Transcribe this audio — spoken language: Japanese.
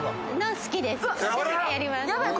好きです。